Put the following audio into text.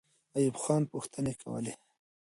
ایوب خان پوښتنې کولې.